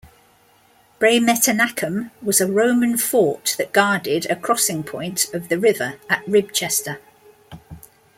Bremetennacum was a Roman fort that guarded a crossing-point of the river at Ribchester.